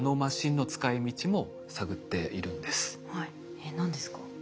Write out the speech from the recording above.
えっ何ですか？